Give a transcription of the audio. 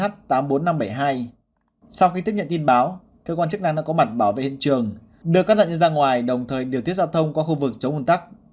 sau khi tiếp nhận tin báo cơ quan chức năng đã có mặt bảo vệ hiện trường đưa các nạn nhân ra ngoài đồng thời điều tiết giao thông qua khu vực chống nguồn tắc